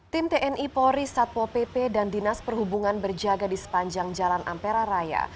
tim tni polri satpo pp dan dinas perhubungan berjaga di sepanjang jalan ampera raya